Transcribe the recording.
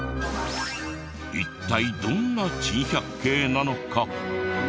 一体どんな珍百景なのか？